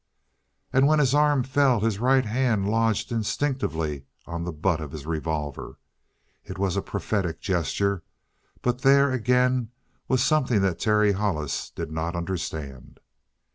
And when his arms fell, his right hand lodged instinctively on the butt of his revolver. It was a prophetic gesture, but there, again, was something that Terry Hollis did not understand.